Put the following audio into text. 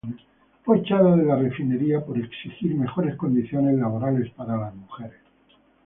Fue echada de la refinería por exigir mejores condiciones laborales para las mujeres.